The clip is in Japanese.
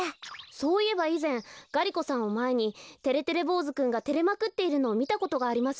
そういえばいぜんがり子さんをまえにてれてれぼうずくんがてれまくっているのをみたことがあります。